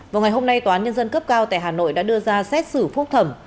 vào ngày hôm nay tòa án nhân dân cấp cao tại hà nội đã đưa ra xét xử phúc thẩm